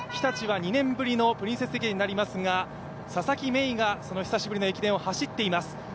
２年ぶりのプリンセス駅伝になりますが、佐々木芽衣がその久しぶりの駅伝を走っています。